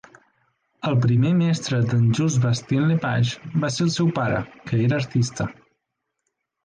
El primer mestre d'en Jules Bastien-Lepage va ser el seu pare, que era artista.